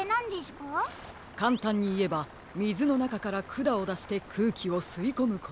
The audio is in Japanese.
かんたんにいえばみずのなかからくだをだしてくうきをすいこむことです。